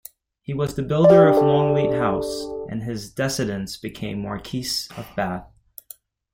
He was the builder of Longleat House and his descendants became Marquesses of Bath.